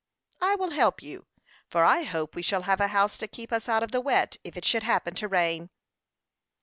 "I will help you, for I hope we shall have a house to keep us out of the wet if it should happen to rain."